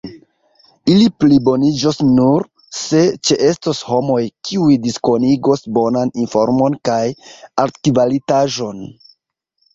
Ili pliboniĝos nur, se ĉeestos homoj kiuj diskonigos bonan informon kaj altkvalitaĵon.